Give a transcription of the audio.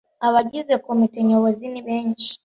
abagize komite nyobozi nibenshi.